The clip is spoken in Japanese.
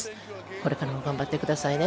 これからも頑張ってくださいね。